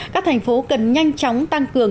các thành phố cần nhanh chóng tăng cường